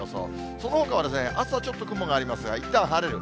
そのほかは朝ちょっと雲がありますが、いったん晴れる。